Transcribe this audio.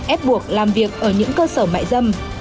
ép buộc làm việc ở những cơ sở mại dâm